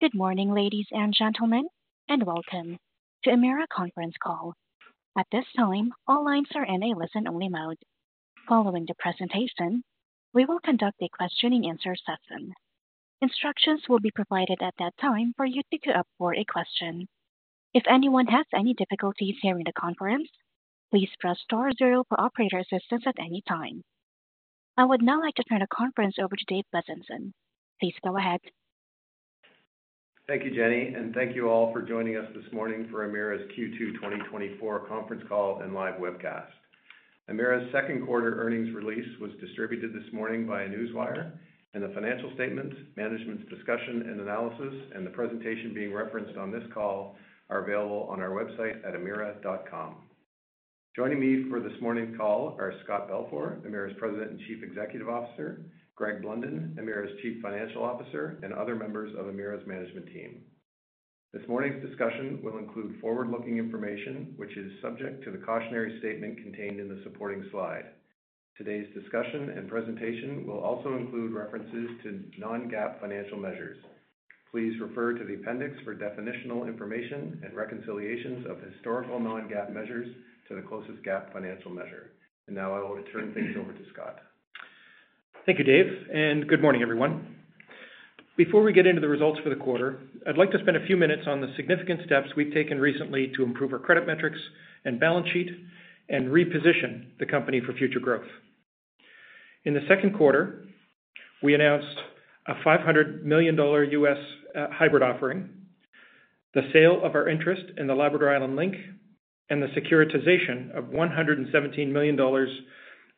Good morning, ladies and gentlemen, and welcome to Emera conference call. At this time, all lines are in a listen-only mode. Following the presentation, we will conduct a question-and-answer session. Instructions will be provided at that time for you to queue up for a question. If anyone has any difficulties hearing the conference, please press star zero for operator assistance at any time. I would now like to turn the conference over to Dave Bezanson. Please go ahead. Thank you, Jenny, and thank you all for joining us this morning for Emera's Q2 2024 Conference Call and Live Webcast. Emera's second quarter earnings release was distributed this morning by PR Newswire, and the financial statement, management's discussion and analysis, and the presentation being referenced on this call are available on our website at emera.com. Joining me for this morning's call are Scott Balfour, Emera's President and Chief Executive Officer, Greg Blunden, Emera's Chief Financial Officer, and other members of Emera's management team. This morning's discussion will include forward-looking information, which is subject to the cautionary statement contained in the supporting slide. Today's discussion and presentation will also include references to non-GAAP financial measures. Please refer to the appendix for definitional information and reconciliations of historical non-GAAP measures to the closest GAAP financial measure. Now I will turn things over to Scott. Thank you, Dave, and good morning, everyone. Before we get into the results for the quarter, I'd like to spend a few minutes on the significant steps we've taken recently to improve our credit metrics and balance sheet and reposition the company for future growth. In the second quarter, we announced a $500 million U.S. hybrid offering, the sale of our interest in the Labrador Island Link, and the securitization of $117 million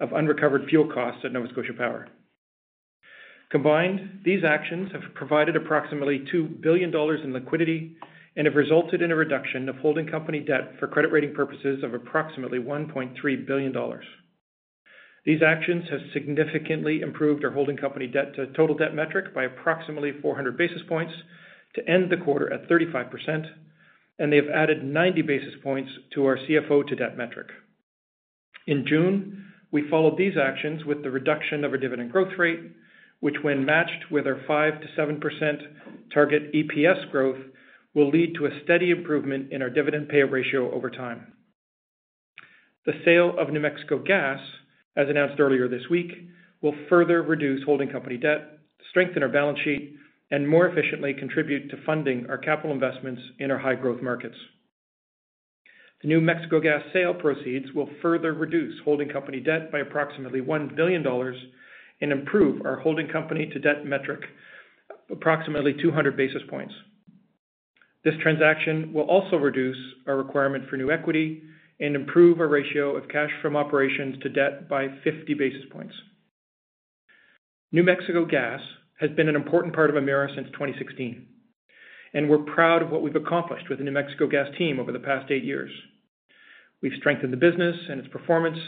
of unrecovered fuel costs at Nova Scotia Power. Combined, these actions have provided approximately $2 billion in liquidity and have resulted in a reduction of holding company debt for credit rating purposes of approximately $1.3 billion. These actions have significantly improved our holding company debt to total debt metric by approximately 400 basis points to end the quarter at 35%, and they have added 90 basis points to our CFO to debt metric. In June, we followed these actions with the reduction of our dividend growth rate, which, when matched with our 5%-7% target EPS growth, will lead to a steady improvement in our dividend payout ratio over time. The sale of New Mexico Gas, as announced earlier this week, will further reduce holding company debt, strengthen our balance sheet, and more efficiently contribute to funding our capital investments in our high-growth markets. The New Mexico Gas sale proceeds will further reduce holding company debt by approximately $1 billion and improve our holding company to debt metric approximately 200 basis points. This transaction will also reduce our requirement for new equity and improve our ratio of cash from operations to debt by 50 basis points. New Mexico Gas has been an important part of Emera since 2016, and we're proud of what we've accomplished with the New Mexico Gas team over the past eight years. We've strengthened the business and its performance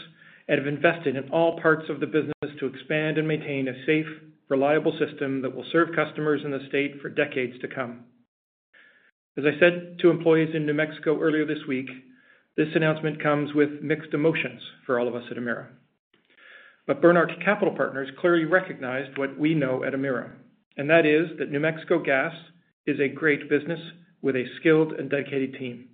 and have invested in all parts of the business to expand and maintain a safe, reliable system that will serve customers in the state for decades to come. As I said to employees in New Mexico earlier this week, this announcement comes with mixed emotions for all of us at Emera. But Bernhard Capital Partners clearly recognized what we know at Emera, and that is that New Mexico Gas is a great business with a skilled and dedicated team.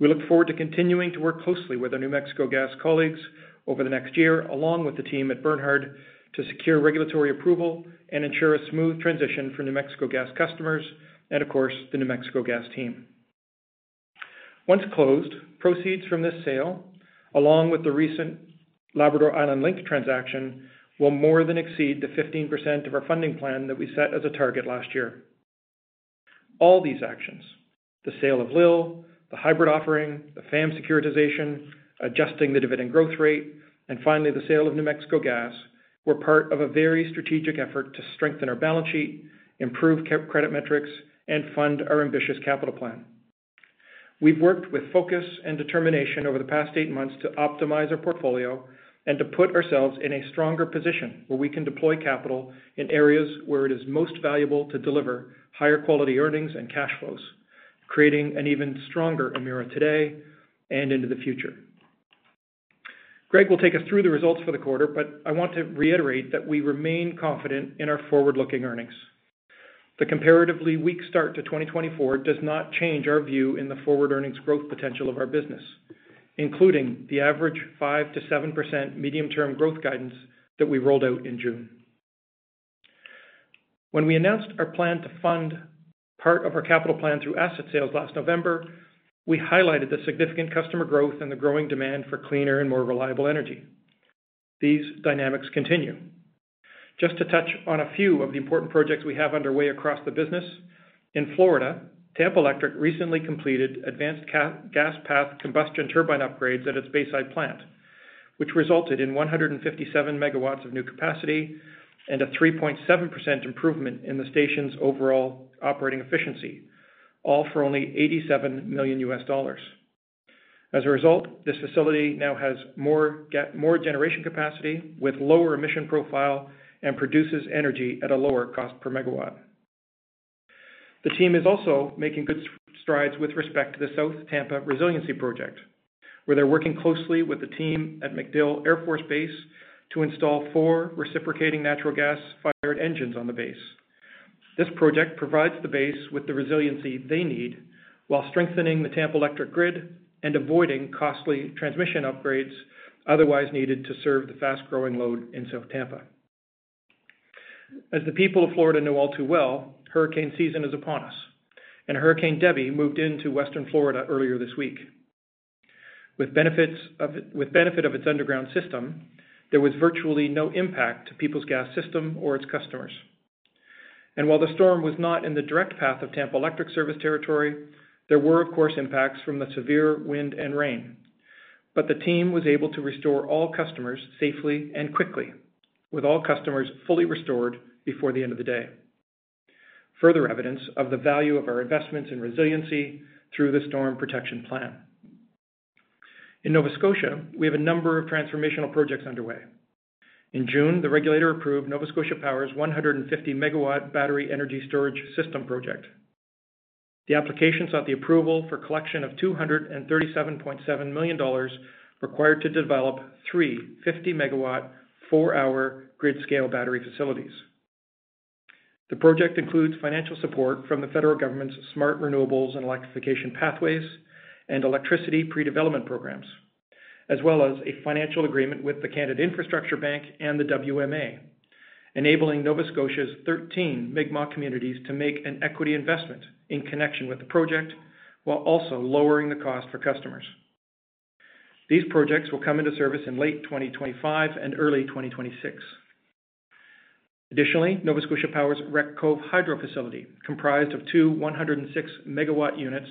We look forward to continuing to work closely with our New Mexico Gas colleagues over the next year, along with the team at Bernhard, to secure regulatory approval and ensure a smooth transition for New Mexico Gas customers and, of course, the New Mexico Gas team. Once closed, proceeds from this sale, along with the recent Labrador Island Link transaction, will more than exceed the 15% of our funding plan that we set as a target last year. All these actions, the sale of LIL, the hybrid offering, the FAM securitization, adjusting the dividend growth rate, and finally, the sale of New Mexico Gas, were part of a very strategic effort to strengthen our balance sheet, improve credit metrics, and fund our ambitious capital plan. We've worked with focus and determination over the past eight months to optimize our portfolio and to put ourselves in a stronger position where we can deploy capital in areas where it is most valuable to deliver higher quality earnings and cash flows, creating an even stronger Emera today and into the future. Greg will take us through the results for the quarter, but I want to reiterate that we remain confident in our forward-looking earnings. The comparatively weak start to 2024 does not change our view in the forward earnings growth potential of our business, including the average 5%-7% medium-term growth guidance that we rolled out in June. When we announced our plan to fund part of our capital plan through asset sales last November, we highlighted the significant customer growth and the growing demand for cleaner and more reliable energy. These dynamics continue. Just to touch on a few of the important projects we have underway across the business. In Florida, Tampa Electric recently completed advanced gas path combustion turbine upgrades at its Bayside plant, which resulted in 157 MW of new capacity and a 3.7% improvement in the station's overall operating efficiency, all for only $87 million. As a result, this facility now has more generation capacity with lower emission profile and produces energy at a lower cost per megawatt. The team is also making good strides with respect to the South Tampa Resiliency Project, where they're working closely with the team at MacDill Air Force Base to install four reciprocating natural gas-fired engines on the base. This project provides the base with the resiliency they need, while strengthening the Tampa Electric grid and avoiding costly transmission upgrades otherwise needed to serve the fast-growing load in South Tampa. As the people of Florida know all too well, hurricane season is upon us, and Hurricane Debby moved into Western Florida earlier this week. With benefit of its underground system, there was virtually no impact to Peoples Gas system or its customers. And while the storm was not in the direct path of Tampa Electric service territory, there were, of course, impacts from the severe wind and rain. But the team was able to restore all customers safely and quickly, with all customers fully restored before the end of the day. Further evidence of the value of our investments in resiliency through the Storm Protection Plan. In Nova Scotia, we have a number of transformational projects underway. In June, the regulator approved Nova Scotia Power's 150 MW battery energy storage system project. The application sought the approval for collection of 237.7 million dollars required to develop 350 MW, four-hour grid-scale battery facilities. The project includes financial support from the federal government's Smart Renewables and Electrification Pathways, and Electricity Pre-Development Programs, as well as a financial agreement with the Canada Infrastructure Bank and the WMA, enabling Nova Scotia's 13 Mi'kmaw communities to make an equity investment in connection with the project, while also lowering the cost for customers. These projects will come into service in late 2025 and early 2026. Additionally, Nova Scotia Power's Wreck Cove Hydro Facility, comprised of two 106 MW units,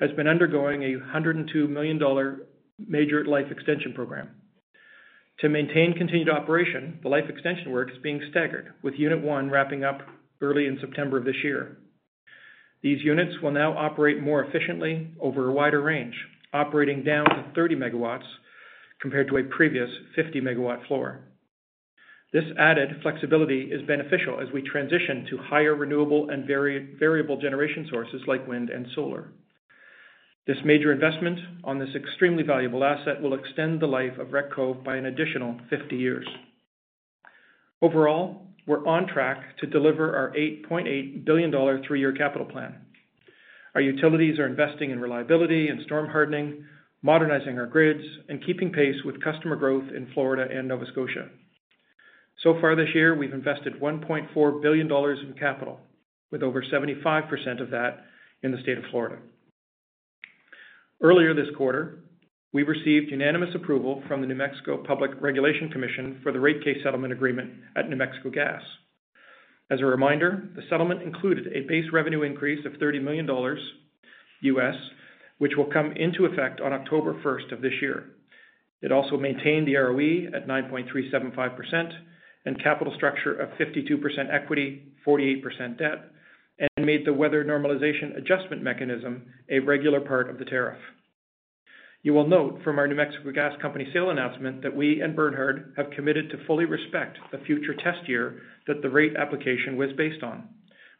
has been undergoing a 102 million dollar major life extension program. To maintain continued operation, the life extension work is being staggered, with Unit One wrapping up early in September of this year. These units will now operate more efficiently over a wider range, operating down to 30 MW compared to a previous 50 MW floor. This added flexibility is beneficial as we transition to higher renewable and variable generation sources like wind and solar. This major investment on this extremely valuable asset will extend the life of Wreck Cove by an additional 50 years. Overall, we're on track to deliver our $8.8 billion three-year capital plan. Our utilities are investing in reliability and storm hardening, modernizing our grids, and keeping pace with customer growth in Florida and Nova Scotia. So far this year, we've invested $1.4 billion in capital, with over 75% of that in the state of Florida. Earlier this quarter, we received unanimous approval from the New Mexico Public Regulation Commission for the rate case settlement agreement at New Mexico Gas. As a reminder, the settlement included a base revenue increase of $30 million, which will come into effect on October 1 of this year. It also maintained the ROE at 9.375% and capital structure of 52% equity, 48% debt, and made the weather normalization adjustment mechanism a regular part of the tariff. You will note from our New Mexico Gas Company sale announcement that we and Bernhard have committed to fully respect the future test year that the rate application was based on,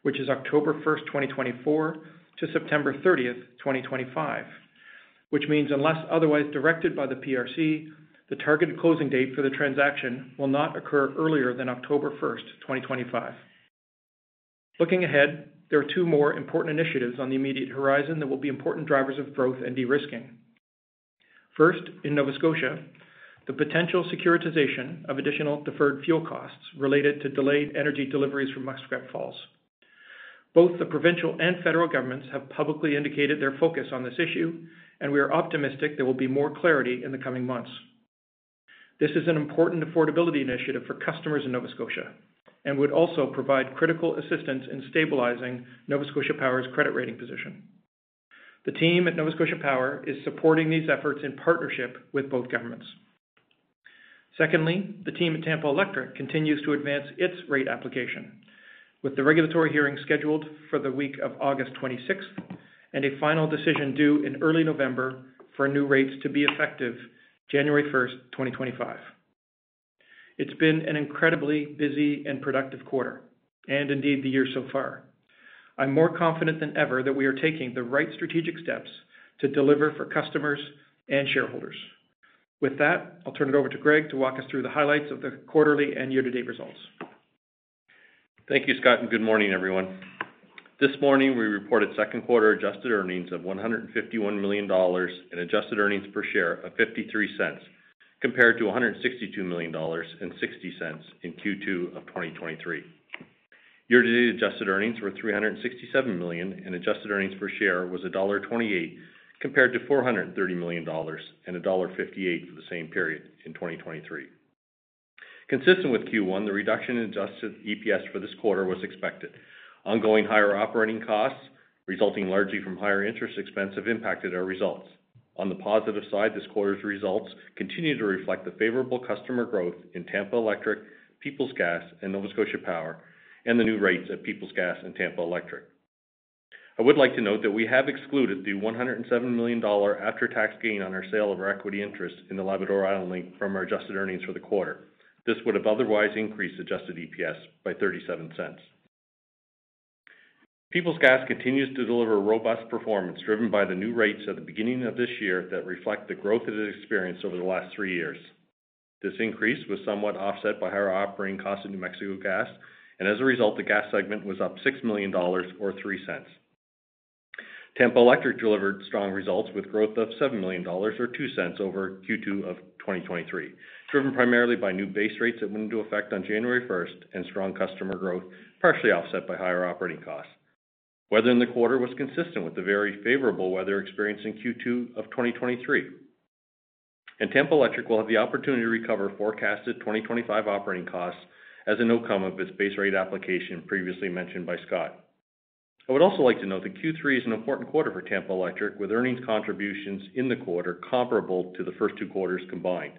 which is October 1, 2024, to September 30, 2025. Which means, unless otherwise directed by the PRC, the targeted closing date for the transaction will not occur earlier than October 1, 2025. Looking ahead, there are two more important initiatives on the immediate horizon that will be important drivers of growth and de-risking. First, in Nova Scotia, the potential securitization of additional deferred fuel costs related to delayed energy deliveries from Muskrat Falls. Both the provincial and federal governments have publicly indicated their focus on this issue, and we are optimistic there will be more clarity in the coming months. This is an important affordability initiative for customers in Nova Scotia and would also provide critical assistance in stabilizing Nova Scotia Power's credit rating position. The team at Nova Scotia Power is supporting these efforts in partnership with both governments. Secondly, the team at Tampa Electric continues to advance its rate application, with the regulatory hearing scheduled for the week of August 26th, and a final decision due in early November for new rates to be effective January 1st, 2025. It's been an incredibly busy and productive quarter, and indeed, the year so far. I'm more confident than ever that we are taking the right strategic steps to deliver for customers and shareholders. With that, I'll turn it over to Greg to walk us through the highlights of the quarterly and year-to-date results. Thank you, Scott, and good morning, everyone. This morning, we reported second quarter adjusted earnings of $151 million and adjusted earnings per share of $0.53, compared to $162 million and $0.60 in Q2 of 2023. Year-to-date adjusted earnings were $367 million, and adjusted earnings per share was $1.28, compared to $430 million and $1.58 for the same period in 2023. Consistent with Q1, the reduction in adjusted EPS for this quarter was expected. Ongoing higher operating costs, resulting largely from higher interest expense, have impacted our results. On the positive side, this quarter's results continue to reflect the favorable customer growth in Tampa Electric, Peoples Gas, and Nova Scotia Power, and the new rates at Peoples Gas and Tampa Electric. I would like to note that we have excluded the $107 million after-tax gain on our sale of our equity interest in the Labrador Island Link from our adjusted earnings for the quarter. This would have otherwise increased adjusted EPS by $0.37.... Peoples Gas continues to deliver robust performance, driven by the new rates at the beginning of this year that reflect the growth that it experienced over the last three years. This increase was somewhat offset by higher operating costs in New Mexico Gas, and as a result, the gas segment was up $6 million or $0.03. Tampa Electric delivered strong results with growth of $7 million or $0.02 over Q2 of 2023, driven primarily by new base rates that went into effect on January 1st and strong customer growth, partially offset by higher operating costs. Weather in the quarter was consistent with the very favorable weather experienced in Q2 of 2023. Tampa Electric will have the opportunity to recover forecasted 2025 operating costs as an outcome of its base rate application, previously mentioned by Scott. I would also like to note that Q3 is an important quarter for Tampa Electric, with earnings contributions in the quarter comparable to the first two quarters combined.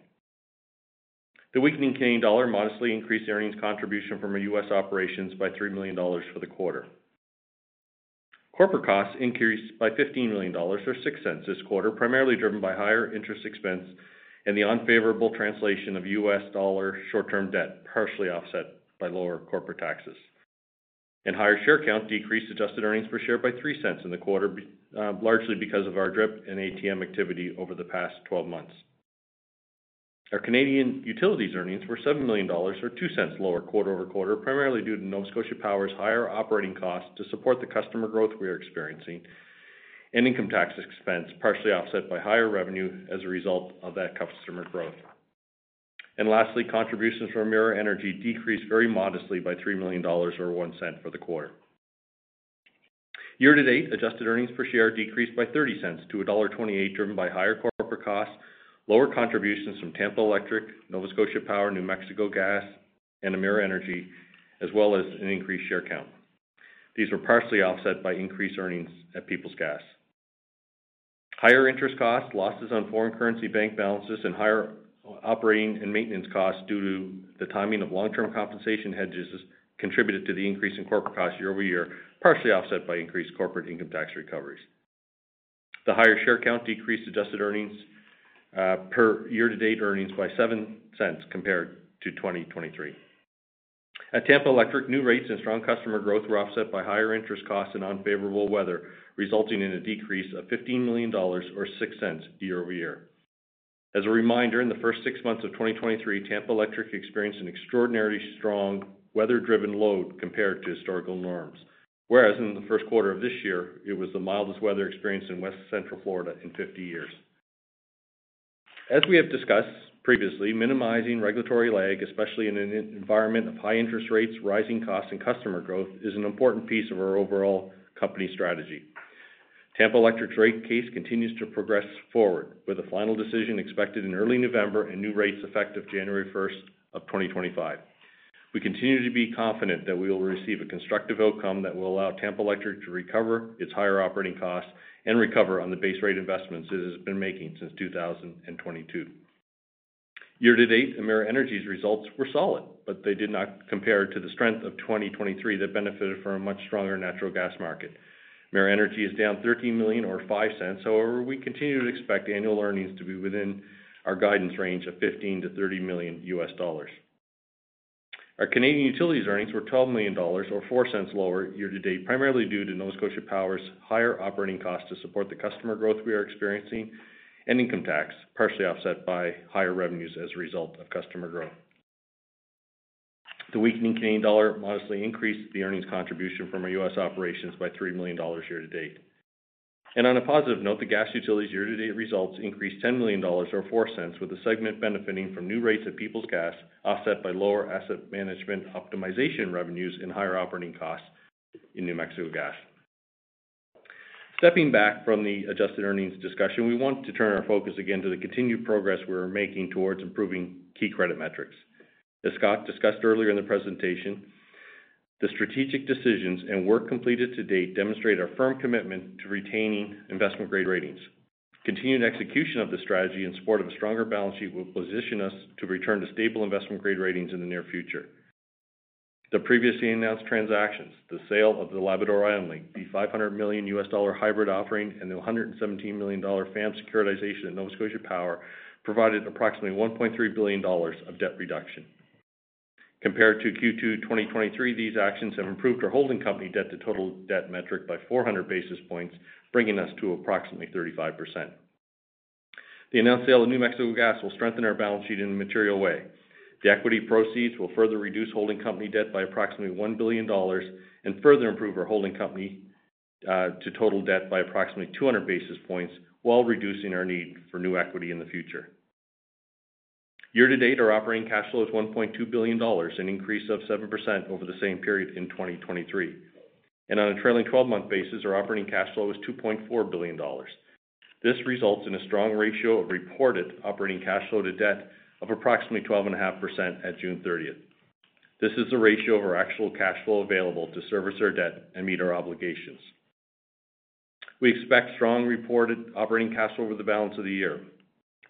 The weakening Canadian dollar modestly increased the earnings contribution from our U.S. operations by $3 million for the quarter. Corporate costs increased by $15 million or $0.06 this quarter, primarily driven by higher interest expense and the unfavorable translation of U.S. dollar short-term debt, partially offset by lower corporate taxes. Higher share count decreased adjusted earnings per share by $0.03 in the quarter, largely because of our DRIP and ATM activity over the past 12 months. Our Canadian utilities earnings were $7 million or $0.02 lower quarter-over-quarter, primarily due to Nova Scotia Power's higher operating costs to support the customer growth we are experiencing and income tax expense, partially offset by higher revenue as a result of that customer growth. And lastly, contributions from Emera Energy decreased very modestly by $3 million or $0.01 for the quarter. Year-to-date, adjusted earnings per share decreased by $0.30-$1.28, driven by higher corporate costs, lower contributions from Tampa Electric, Nova Scotia Power, New Mexico Gas, and Emera Energy, as well as an increased share count. These were partially offset by increased earnings at Peoples Gas. Higher interest costs, losses on foreign currency bank balances, and higher operating and maintenance costs due to the timing of long-term compensation hedges, contributed to the increase in corporate costs year-over-year, partially offset by increased corporate income tax recoveries. The higher share count decreased adjusted earnings per year-to-date earnings by $0.07 compared to 2023. At Tampa Electric, new rates and strong customer growth were offset by higher interest costs and unfavorable weather, resulting in a decrease of $15 million or $0.06 year-over-year. As a reminder, in the first six months of 2023, Tampa Electric experienced an extraordinarily strong weather-driven load compared to historical norms, whereas in the first quarter of this year, it was the mildest weather experienced in West Central Florida in 50 years. As we have discussed previously, minimizing regulatory lag, especially in an environment of high interest rates, rising costs, and customer growth, is an important piece of our overall company strategy. Tampa Electric's rate case continues to progress forward, with a final decision expected in early November and new rates effective January 1, 2025. We continue to be confident that we will receive a constructive outcome that will allow Tampa Electric to recover its higher operating costs and recover on the base rate investments it has been making since 2022. Year-to-date, Emera Energy's results were solid, but they did not compare to the strength of 2023 that benefited from a much stronger natural gas market. Emera Energy is down $13 million or $0.05. However, we continue to expect annual earnings to be within our guidance range of $15 million-$30 million. Our Canadian utilities earnings were 12 million dollars or 0.04 lower year-to-date, primarily due to Nova Scotia Power's higher operating costs to support the customer growth we are experiencing and income tax, partially offset by higher revenues as a result of customer growth. The weakening Canadian dollar modestly increased the earnings contribution from our U.S. operations by 3 million dollars year-to-date. On a positive note, the gas utilities year-to-date results increased 10 million dollars or 0.04, with the segment benefiting from new rates at Peoples Gas, offset by lower asset management optimization revenues and higher operating costs in New Mexico Gas. Stepping back from the adjusted earnings discussion, we want to turn our focus again to the continued progress we are making towards improving key credit metrics. As Scott discussed earlier in the presentation, the strategic decisions and work completed to date demonstrate our firm commitment to retaining investment-grade ratings. Continued execution of this strategy in support of a stronger balance sheet will position us to return to stable investment-grade ratings in the near future. The previously announced transactions, the sale of the Labrador Island Link, the $500 million hybrid offering, and the $117 million FAM securitization of Nova Scotia Power, provided approximately $1.3 billion of debt reduction. Compared to Q2 2023, these actions have improved our holding company debt to total debt metric by 400 basis points, bringing us to approximately 35%. The announced sale of New Mexico Gas will strengthen our balance sheet in a material way. The equity proceeds will further reduce holding company debt by approximately $1 billion and further improve our holding company to total debt by approximately 200 basis points, while reducing our need for new equity in the future. Year-to-date, our operating cash flow is $1.2 billion, an increase of 7% over the same period in 2023. On a trailing 12-month basis, our operating cash flow is $2.4 billion. This results in a strong ratio of reported operating cash flow to debt of approximately 12.5% at June 30. This is the ratio of our actual cash flow available to service our debt and meet our obligations. We expect strong reported operating cash flow over the balance of the year.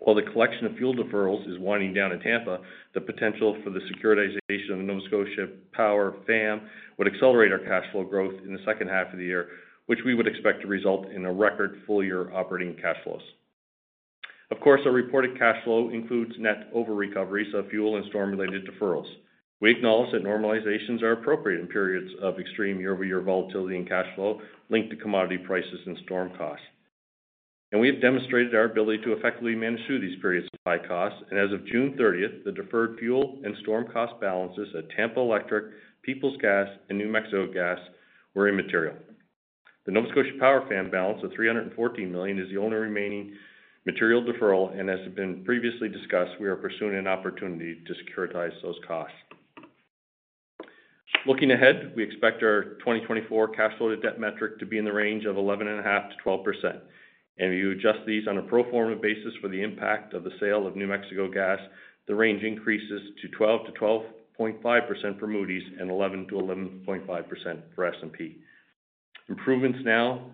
While the collection of fuel deferrals is winding down in Tampa, the potential for the securitization of Nova Scotia Power FAM would accelerate our cash flow growth in the second half of the year, which we would expect to result in a record full-year operating cash flows. Of course, our reported cash flow includes net over-recovery, so fuel and storm-related deferrals. We acknowledge that normalizations are appropriate in periods of extreme year-over-year volatility and cash flow linked to commodity prices and storm costs. We have demonstrated our ability to effectively manage through these periods of high costs, and as of June thirtieth, the deferred fuel and storm cost balances at Tampa Electric, Peoples Gas, and New Mexico Gas were immaterial. The Nova Scotia Power FAM balance of 314 million is the only remaining material deferral, and as has been previously discussed, we are pursuing an opportunity to securitize those costs. Looking ahead, we expect our 2024 cash flow to debt metric to be in the range of 11.5%-12%. And if you adjust these on a pro forma basis for the impact of the sale of New Mexico Gas, the range increases to 12%-12.5% for Moody's and 11%-11.5% for S&P. Improvements now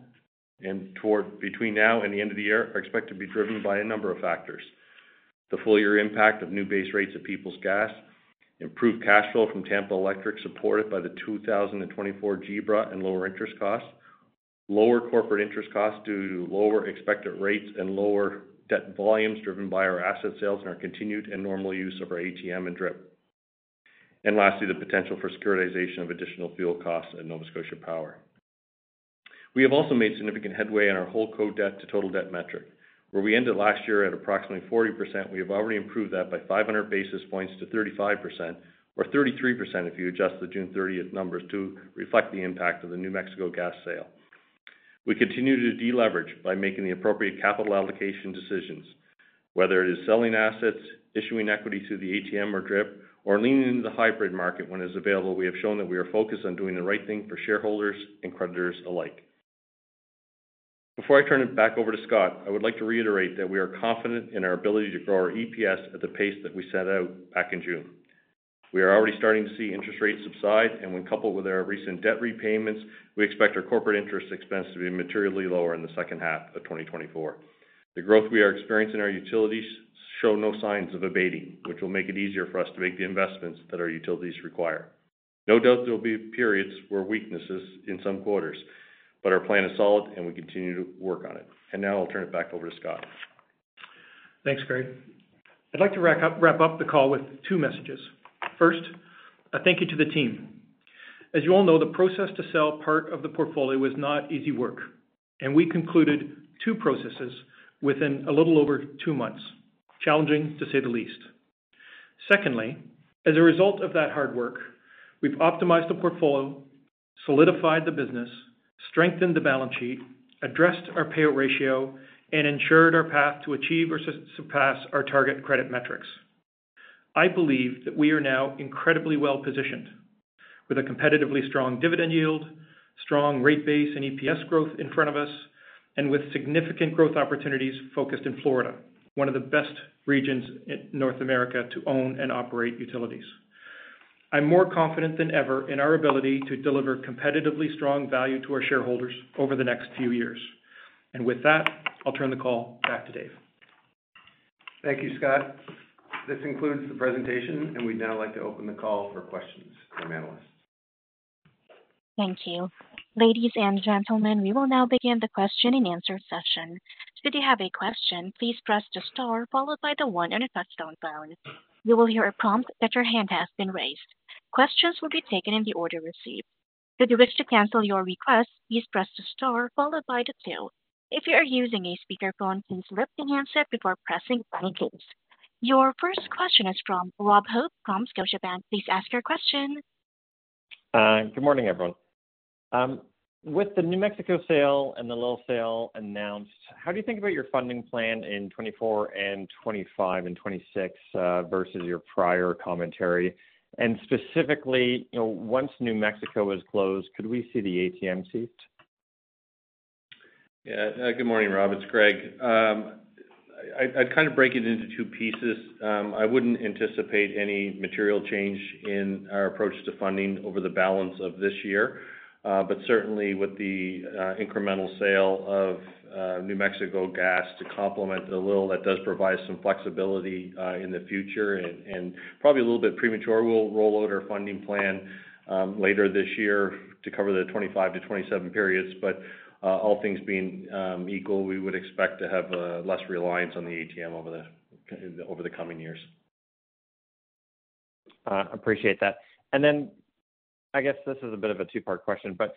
and between now and the end of the year are expected to be driven by a number of factors. The full year impact of new base rates of Peoples Gas, improved cash flow from Tampa Electric, supported by the 2024 GBRA and lower interest costs, lower corporate interest costs due to lower expected rates and lower debt volumes driven by our asset sales and our continued and normal use of our ATM and DRIP. And lastly, the potential for securitization of additional fuel costs at Nova Scotia Power. We have also made significant headway in our holdco debt to total debt metric, where we ended last year at approximately 40%. We have already improved that by 500 basis points to 35%, or 33% if you adjust the June 30th numbers to reflect the impact of the New Mexico Gas sale. We continue to deleverage by making the appropriate capital allocation decisions, whether it is selling assets, issuing equity through the ATM or DRIP, or leaning into the hybrid market when it's available. We have shown that we are focused on doing the right thing for shareholders and creditors alike. Before I turn it back over to Scott, I would like to reiterate that we are confident in our ability to grow our EPS at the pace that we set out back in June. We are already starting to see interest rates subside, and when coupled with our recent debt repayments, we expect our corporate interest expense to be materially lower in the second half of 2024. The growth we are experiencing in our utilities show no signs of abating, which will make it easier for us to make the investments that our utilities require. No doubt there will be periods where weaknesses in some quarters, but our plan is solid and we continue to work on it. And now I'll turn it back over to Scott. Thanks, Greg. I'd like to wrap up, wrap up the call with two messages. First, a thank you to the team. As you all know, the process to sell part of the portfolio was not easy work, and we concluded two processes within a little over two months. Challenging, to say the least. Secondly, as a result of that hard work, we've optimized the portfolio, solidified the business, strengthened the balance sheet, addressed our payout ratio, and ensured our path to achieve or surpass our target credit metrics. I believe that we are now incredibly well-positioned with a competitively strong dividend yield, strong rate base and EPS growth in front of us, and with significant growth opportunities focused in Florida, one of the best regions in North America to own and operate utilities. I'm more confident than ever in our ability to deliver competitively strong value to our shareholders over the next few years. With that, I'll turn the call back to Dave. Thank you, Scott. This concludes the presentation, and we'd now like to open the call for questions from analysts. Thank you. Ladies and gentlemen, we will now begin the question-and-answer session. Should you have a question, please press the star followed by the one on your touchtone phone. You will hear a prompt that your hand has been raised. Questions will be taken in the order received. Should you wish to cancel your request, please press the star followed by the two. If you are using a speakerphone, please lift the handset before pressing any keys. Your first question is from Rob Hope from Scotiabank. Please ask your question. Good morning, everyone. With the New Mexico sale and the LIL sale announced, how do you think about your funding plan in 2024 and 2025 and 2026, versus your prior commentary? And specifically, you know, once New Mexico is closed, could we see the ATM ceased? Yeah. Good morning, Rob, it's Greg. I'd kind of break it into two pieces. I wouldn't anticipate any material change in our approach to funding over the balance of this year. But certainly, with the incremental sale of New Mexico Gas to complement the LIL, that does provide some flexibility in the future and probably a little bit premature. We'll roll out our funding plan later this year to cover the 2025-2027 periods. But all things being equal, we would expect to have less reliance on the ATM over the coming years. Appreciate that. Then, I guess this is a bit of a two-part question, but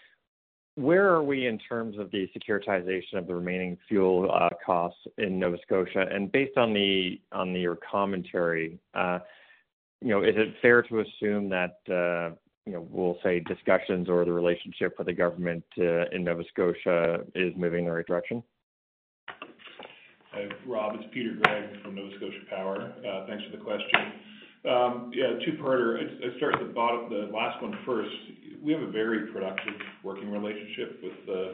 where are we in terms of the securitization of the remaining fuel costs in Nova Scotia? And based on your commentary, you know, is it fair to assume that, you know, we'll say discussions or the relationship with the government in Nova Scotia is moving in the right direction? Rob, it's Peter Gregg from Nova Scotia Power. Thanks for the question. Yeah, two-parter. I'd start at the bottom, the last one first. We have a very productive working relationship with the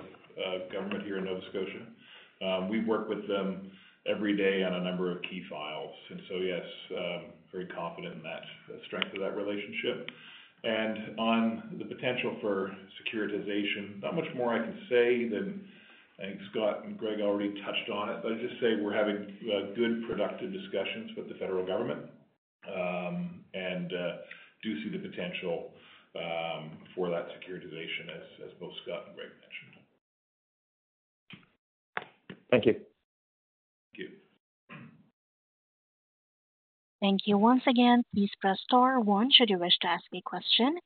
government here in Nova Scotia. We work with them every day on a number of key files, and so, yes, very confident in that, the strength of that relationship. And on the potential for securitization, not much more I can say than I think Scott and Greg already touched on it, but I'd just say we're having good, productive discussions with the federal government.... and do see the potential for that securitization, as both Scott and Greg mentioned. Thank you. Thank you. Thank you. Once again, please press star one should you wish to ask a question.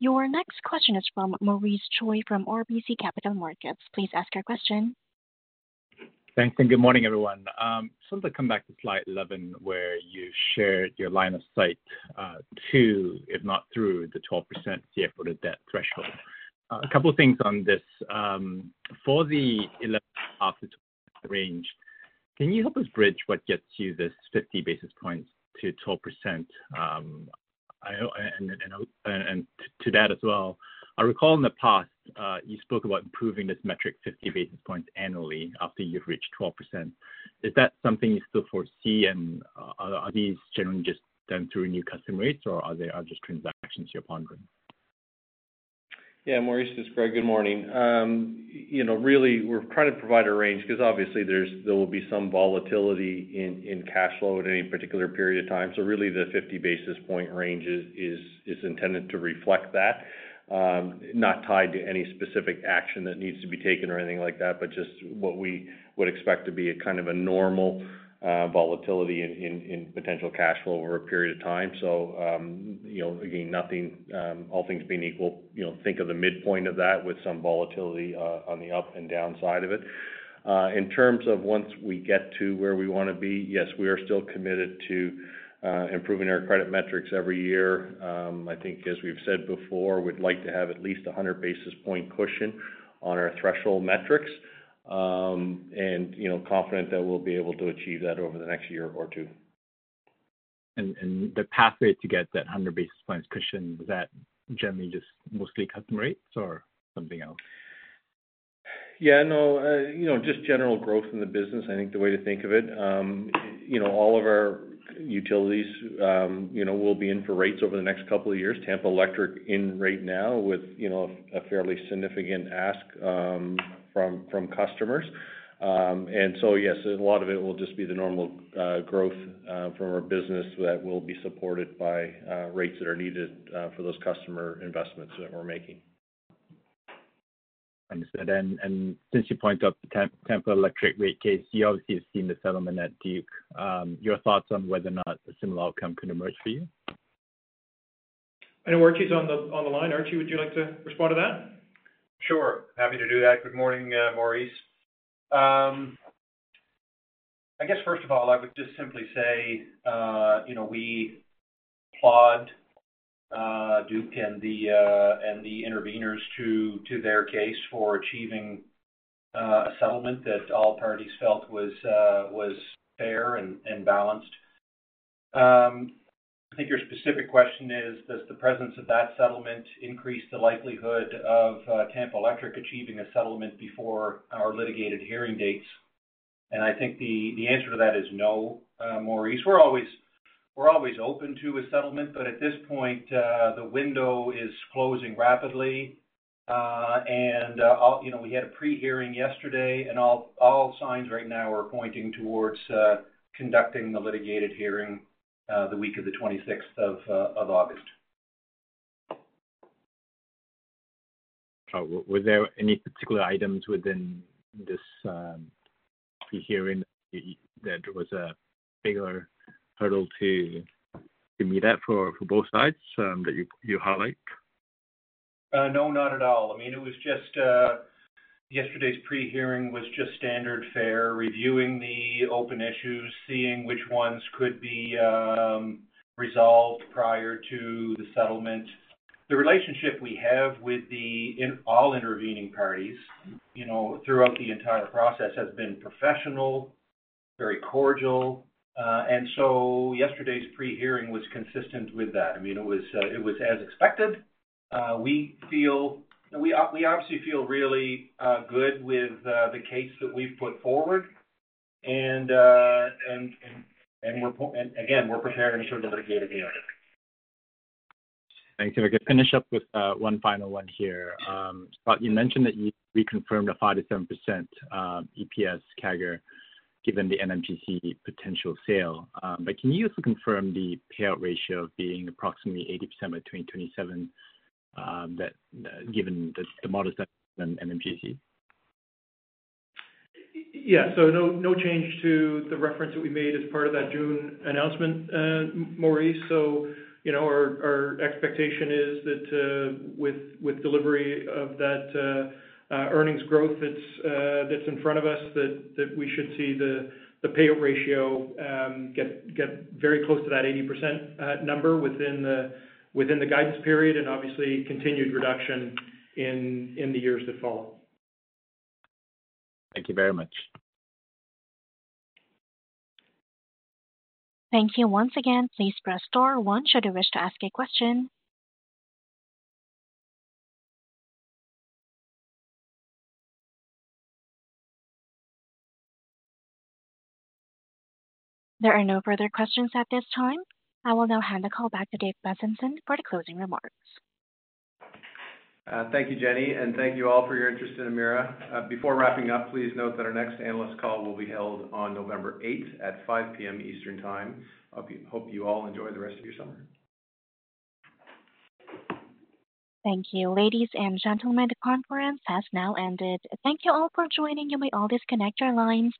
Your next question is from Maurice Choy from RBC Capital Markets. Please ask your question. Thanks, and good morning, everyone. So to come back to Slide 11, where you shared your line of sight to, if not through, the 12% CFO to debt threshold. A couple things on this. For the 11 range, can you help us bridge what gets you this 50 basis points to 12%? And to that as well, I recall in the past you spoke about improving this metric 50 basis points annually after you've reached 12%. Is that something you still foresee? And are these generally just done through new customer rates, or are there other transactions you're pondering? Yeah, Maurice, this is Greg. Good morning. You know, really, we're credit provider range because obviously there will be some volatility in cash flow at any particular period of time. So really, the 50 basis point range is intended to reflect that. Not tied to any specific action that needs to be taken or anything like that, but just what we would expect to be a kind of a normal volatility in potential cash flow over a period of time. So, you know, again, nothing, all things being equal, you know, think of the midpoint of that with some volatility on the up and down side of it. In terms of once we get to where we want to be, yes, we are still committed to improving our credit metrics every year. I think as we've said before, we'd like to have at least 100 basis point cushion on our threshold metrics. And, you know, confident that we'll be able to achieve that over the next year or two. The pathway to get that 100 basis points cushion, is that generally just mostly customer rates or something else? Yeah, no, you know, just general growth in the business, I think the way to think of it. You know, all of our utilities, you know, will be in for rates over the next couple of years. Tampa Electric in right now with, you know, a fairly significant ask from customers. And so, yes, a lot of it will just be the normal growth from our business that will be supported by rates that are needed for those customer investments that we're making. Understood. And since you point out the Tampa Electric rate case, you obviously have seen the settlement at Duke. Your thoughts on whether or not a similar outcome could emerge for you? I know Archie's on the line. Archie, would you like to respond to that? Sure, happy to do that. Good morning, Maurice. I guess first of all, I would just simply say, you know, we applaud Duke and the, and the intervenors to their case for achieving a settlement that all parties felt was fair and balanced. I think your specific question is, does the presence of that settlement increase the likelihood of Tampa Electric achieving a settlement before our litigated hearing dates? And I think the answer to that is no, Maurice. We're always open to a settlement, but at this point, the window is closing rapidly. And you know, we had a pre-hearing yesterday, and all signs right now are pointing towards conducting the litigated hearing the week of the 26th of August. Were there any particular items within this pre-hearing that there was a bigger hurdle to meet up for both sides that you highlight? No, not at all. I mean, it was just yesterday's pre-hearing was just standard fare, reviewing the open issues, seeing which ones could be resolved prior to the settlement. The relationship we have with all intervening parties, you know, throughout the entire process, has been professional, very cordial, and so yesterday's pre-hearing was consistent with that. I mean, it was, it was as expected. We obviously feel really good with the case that we've put forward. And again, we're preparing for the litigated hearing. Thank you. I could finish up with one final one here. Scott, you mentioned that you reconfirmed a 5%-7% EPS CAGR, given the NMGC potential sale. But can you also confirm the payout ratio of being approximately 80% by 2027, that given the models and NMGC? Yeah. So no, no change to the reference that we made as part of that June announcement, Maurice. So, you know, our expectation is that, with delivery of that, earnings growth that's in front of us, that we should see the payout ratio get very close to that 80% number within the guidance period, and obviously continued reduction in the years to follow. Thank you very much. Thank you. Once again, please press star one should you wish to ask a question. There are no further questions at this time. I will now hand the call back to Dave Bezanson for the closing remarks. Thank you, Jenny, and thank you all for your interest in Emera. Before wrapping up, please note that our next analyst call will be held on November eighth at 5 P.M. Eastern Time. I hope you all enjoy the rest of your summer. Thank you. Ladies and gentlemen, the conference has now ended. Thank you all for joining. You may all disconnect your lines.